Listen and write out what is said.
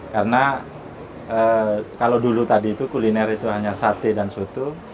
karena kalau dulu tadi itu kuliner hanya sate dan sotu